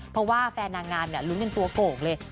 เพราะว่าแฟนนางงามลุ้นกันตัวโก่งเลย